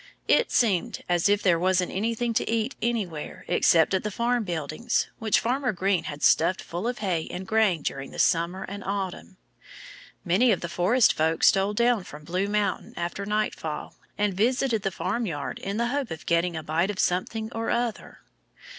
It seemed as if there wasn't anything to eat anywhere except at the farm buildings, which Farmer Green had stuffed full of hay and grain during the summer and autumn. Many of the forest folk stole down from Blue Mountain after nightfall and visited the farmyard in the hope of getting a bite of something or other.